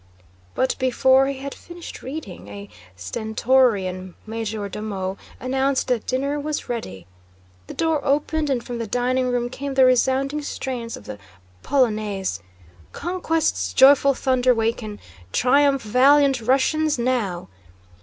But before he had finished reading, a stentorian major domo announced that dinner was ready! The door opened, and from the dining room came the resounding strains of the polonaise: Conquest's joyful thunder waken, Triumph, valiant Russians, now!...